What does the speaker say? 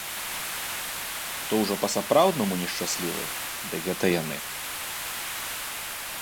Хто ўжо па-сапраўднаму нешчаслівы, дык гэта яны.